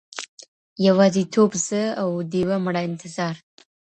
يوازيتوب زه، او ډېوه مړه انتظار_